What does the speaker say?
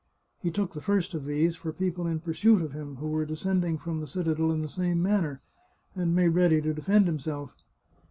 He took the first of these for people in pursuit of him, who were descending from the cita del in the same manner, and made ready to defend himself.